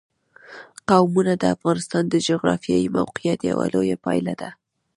قومونه د افغانستان د جغرافیایي موقیعت یوه لویه پایله ده.